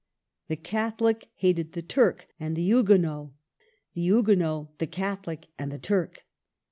The Catholic hated the Turk and the Huguenot, the Huguenot the Catholic and the Turk.